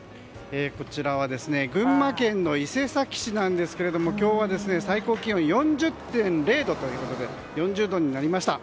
こちらは群馬県伊勢崎市なんですけれども今日は最高気温４０．０度ということで４０度になりました。